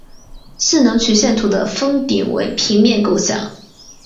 势能曲线图的峰顶为平面构象。